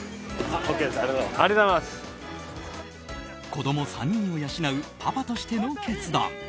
子供３人を養うパパとしての決断。